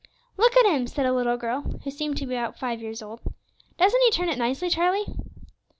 "Look at him," said a little girl, who seemed to be about five years old; "doesn't he turn it nicely, Charlie?"